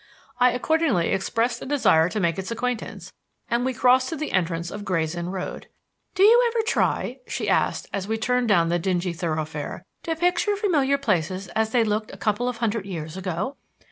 I accordingly expressed a desire to make its acquaintance, and we crossed to the entrance to Gray's Inn Road. "Do you ever try," she asked, as we turned down the dingy thoroughfare, "to picture familiar places as they looked a couple of hundred years ago?"